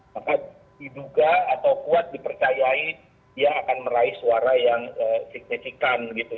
maka diduga atau kuat dipercayai dia akan meraih suara yang signifikan gitu